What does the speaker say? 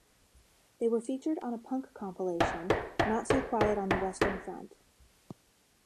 They were featured on a punk compilation Not So Quiet on the Western Front.